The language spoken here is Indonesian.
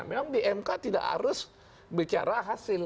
memang di mk tidak harus bicara hasil